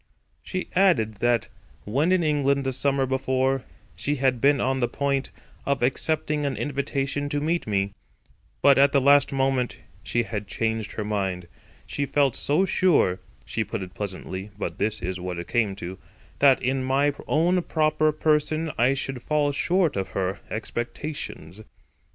She added that, when in England the summer before, she had been on the point of accepting an invitation to meet me; but at the last moment she had changed her mind; she felt so sure—she put it pleasantly, but this is what it came to—that in my own proper person I should fall short of her expectations.